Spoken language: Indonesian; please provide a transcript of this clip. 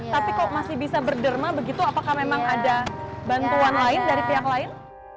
tapi kok masih bisa berderma begitu apakah memang ada bantuan lain dari pihak lain